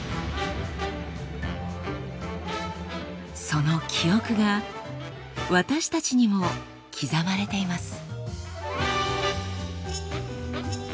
その記憶が私たちにも刻まれています。